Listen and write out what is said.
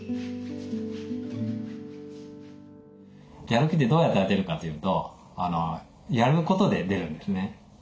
やる気ってどうやったら出るかというとやることで出るんですね。